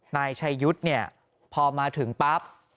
นายชายุทธ์พอมาถึงปั๊บ